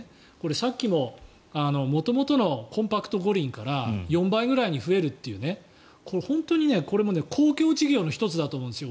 さっきも元々のコンパクト五輪から４倍ぐらいに増えるというねこれ、本当にこれも公共事業の１つだと思うんです。